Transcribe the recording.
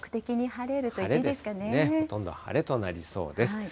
晴れですね、ほとんど晴れとなりそうです。